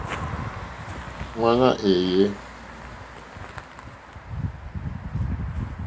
Ŋwáné èyé.